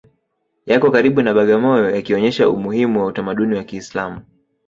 Yako karibu na Bagamoyo yakionyesha umuhimu wa utamaduni wa Kiislamu